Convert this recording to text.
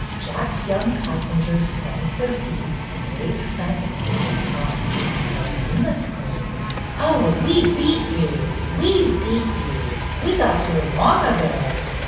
Jack's young passengers sprang to their feet and waved frantically in response, while Ed wyna screamed: ''Oh, we beat you, we beat you! We got here long ago